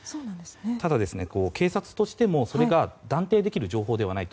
ただ警察としてもそれが断定できる情報ではないと。